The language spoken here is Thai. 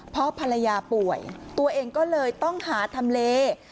เพราะภรรยาป่วยตัวเองก็เลยต้องหาทำเล